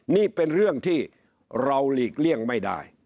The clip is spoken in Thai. นี่เป็นเรื่องที่เราหลีกเลี่ยงไม่ได้